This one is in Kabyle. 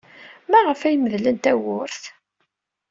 Maɣef ay medlen tawwurt?